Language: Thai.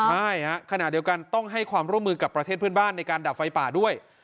ใช่ฮะขณะเดียวกันต้องให้ความร่วมมือกับประเทศเพื่อนบ้านในการดับไฟป่าด้วย